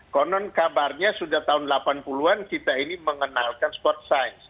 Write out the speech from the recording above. konon kabarnya sudah tahun delapan puluh an kita ini mengenalkan sport science